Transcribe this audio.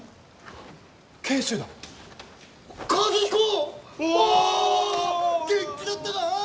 元気だったか？